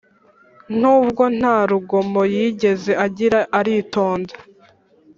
nubwo nta rugomo yigeze agira aritonda